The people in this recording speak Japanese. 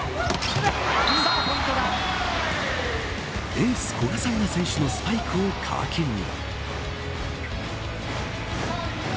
エース古賀紗理那選手のスパイクを皮切りに。